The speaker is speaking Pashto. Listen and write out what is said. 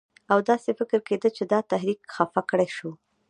او داسې فکر کېده چې دا تحریک خفه کړی شو.